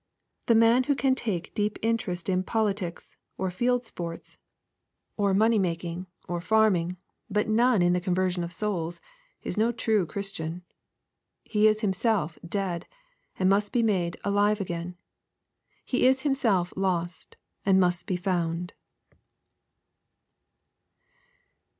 The man who can take deep interest in politics, or field sportSj^ LUKE, CHAP. XV. 193 money makiag, or farming, but none in the conversion of souls, is no trueX)hristiaD. He is himself " dead" and must be made " alive again.*' He is himself " lost" and must be " found."